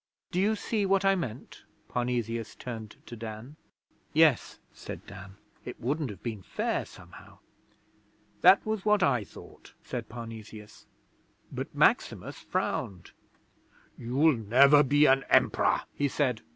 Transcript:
Do you see what I meant?' Parnesius turned to Dan. 'Yes,' said Dan. 'It wouldn't have been fair, somehow.' 'That was what I thought,' said Parnesius. 'But Maximus frowned. "You'll never be an Emperor," he said.